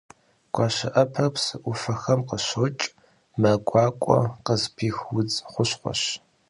Гуащэӏэпэр псы ӏуфэхэм къыщокӏ, мэ гуакӏуэ къызыпих удз хущхъуэщ.